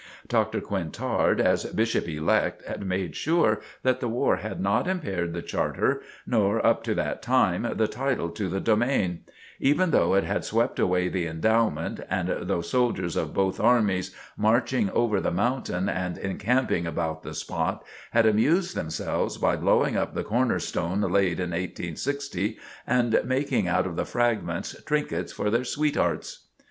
Dr. Quintard, as Bishop elect, had made sure that the war had not impaired the charter, nor up to that time, the title to the domain; even though it had swept away the endowment, and though soldiers of both armies, marching over the mountain and encamping about the spot, had amused themselves by blowing up the corner stone laid in 1860, and making out of the fragments trinkets for their sweet hearts.